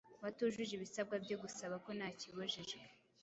batujuje ibisabwa byo gusaba ko nta kibujijwe